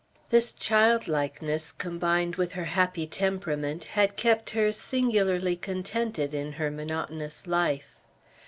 This childlikeness, combined with her happy temperament, had kept her singularly contented in her monotonous life.